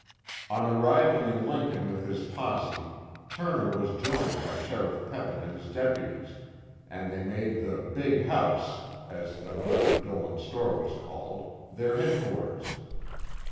On arriving in Lincoln with his posse, Turner was joined by Sheriff Peppin and his deputies, and they made the "Big House," as the Murphy Dolan store was called, their headquarters.